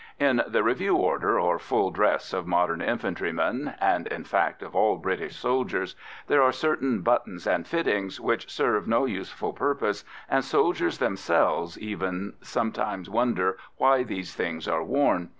In the "review order" or full dress of modern infantrymen and in fact of all British soldiers there are certain buttons and fittings which serve no useful purpose, and soldiers themselves, even, sometimes wonder why these things are worn.